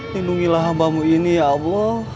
lindungilah hambamu ini ya allah